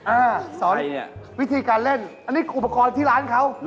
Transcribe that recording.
สอนวิธีการเล่นอันนี้อุปกรณ์ที่ร้านเขา